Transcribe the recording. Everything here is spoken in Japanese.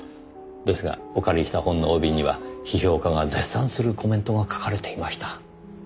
ですがお借りした本の帯には批評家が絶賛するコメントが書かれていました。